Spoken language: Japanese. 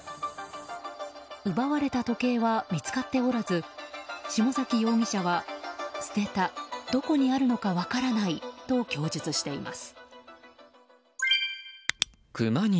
奪われた時計は見つかっておらず下崎容疑者は、捨てたどこにあるのか分からないと供述しています。